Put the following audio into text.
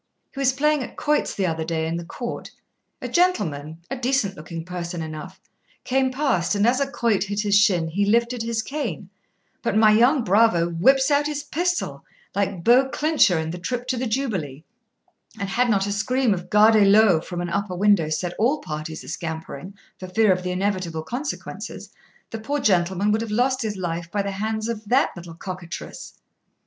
He was playing at quoits the other day in the court; a gentleman, a decent looking person enough, came past, and as a quoit hit his shin, he lifted his cane; but my young bravo whips out his pistol, like Beau Clincher in the "Trip to the Jubilee," and had not a scream of Gardez l'eau from an upper window set all parties a scampering for fear of the inevitable consequences, the poor gentleman would have lost his life by the hands of that little cockatrice.'